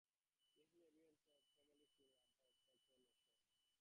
This is evidenced in the commonly seen bumper sticker 'Hoback Nation' in the area.